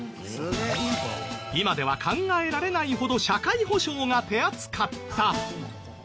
今では考えられないほど社会保障が手厚かった。